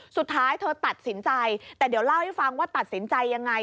สุดท้ายเธอตัดสินใจแต่เดี๋ยวเล่าให้ฟังว่าตัดสินใจยังไง